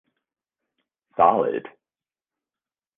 Solid!